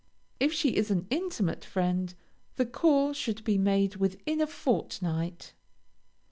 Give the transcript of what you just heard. If she is an intimate friend, the call should be made within a fortnight.